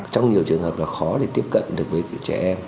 trong nhiều trường hợp là khó để tiếp cận được với trẻ em